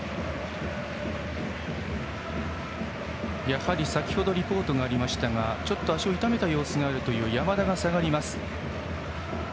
やはり先ほどリポートがありましたがちょっと足を痛めた様子があるという山田が下がります。